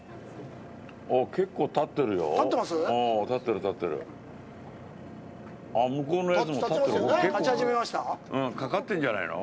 結構かかってるんじゃないの？